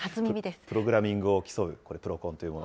プログラミングを競う、これ、プロコンというもの。